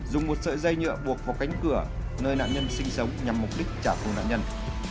dùng một sợi dây nhựa buộc vào cánh cửa nơi nạn nhân sinh sống nhằm mục đích trả phù nạn nhân